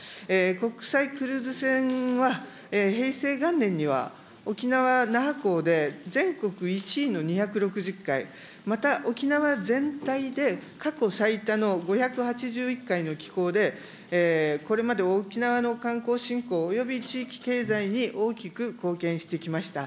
国際クルーズ船は、平成元年には沖縄・那覇港で全国１位の２６０回、また、沖縄全体で過去最多の５８１回のきこうで、これまで沖縄の観光振興、および地域経済に大きく貢献してきました。